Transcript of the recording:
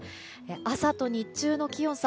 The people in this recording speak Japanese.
朝と日中の気温差